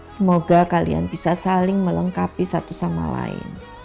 semoga kalian bisa saling melengkapi satu sama lain